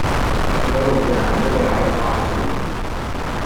Numerose anche le aree a pascolo.